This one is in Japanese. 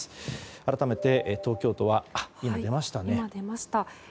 改めて、東京都は今、出ましたね。